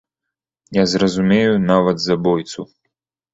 Я зразумею нават забойцу.